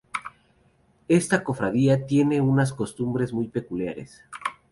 Esta Cofradía tiene unas costumbres muy peculiares.